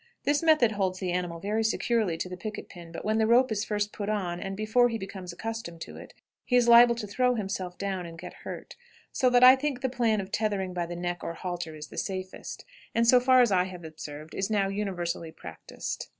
This method holds the animal very securely to the picket pin, but when the rope is first put on, and before he becomes accustomed to it, he is liable to throw himself down and get hurt; so that I think the plan of tethering by the neck or halter is the safest, and, so far as I have observed, is now universally practiced.